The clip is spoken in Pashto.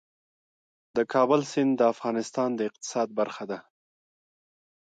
د کابل سیند د افغانستان د اقتصاد برخه ده.